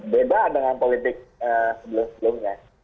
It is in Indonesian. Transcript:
beba dengan politik sebelumnya